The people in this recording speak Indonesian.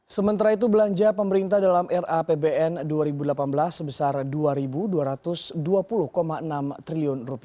sementara itu belanja pemerintah dalam rapbn dua ribu delapan belas sebesar rp dua dua ratus dua puluh enam triliun